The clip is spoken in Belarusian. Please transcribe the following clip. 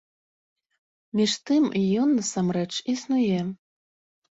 Між тым, ён насамрэч існуе.